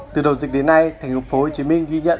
từ đầu dịch đến nay tp hcm ghi nhận